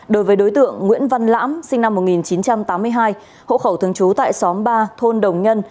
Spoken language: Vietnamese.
đối với đối tượng nguyễn văn lãm sinh năm một nghìn chín trăm tám mươi hai hộ khẩu thường trú tại xóm ba thôn đồng nhân